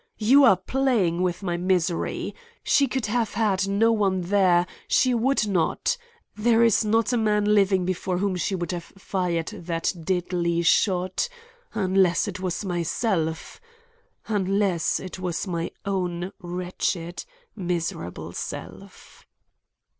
"You are playing with my misery. She could have had no one there; she would not. There is not a man living before whom she would have fired that deadly shot; unless it was myself,—unless it was my own wretched, miserable self."